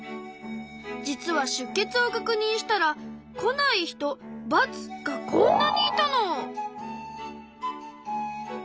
実は出欠をかくにんしたら来ない人「×」がこんなにいたの。